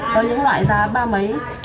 có những loại giá ba mấy